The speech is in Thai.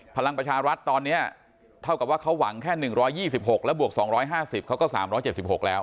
พลังประชารัฐตอนนี้เท่ากับว่าเขาหวังแค่๑๒๖แล้วบวก๒๕๐เขาก็๓๗๖แล้ว